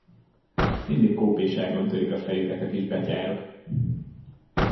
Mindig kópéságon törik a fejüket a kis betyárok!